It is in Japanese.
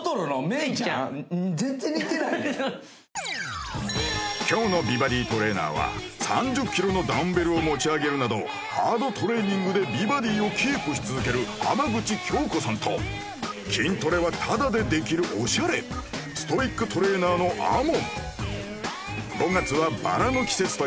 メイちゃん全然似てないで今日の美バディトレーナーは３０ｋｇのダンベルを持ち上げるなどハードトレーニングで美バディをキープし続ける浜口京子さんと筋トレはただでできるおしゃれストイックトレーナーのＡＭＯＮＡＢＣのＣＣうわっＣ